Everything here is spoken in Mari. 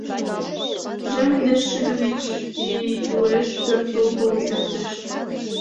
— Тӱжем индеш шӱдӧ вич ий уэш пӧртыл толын кертеш!